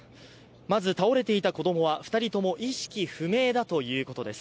まず倒れていた子供は２人とも意識不明ということです。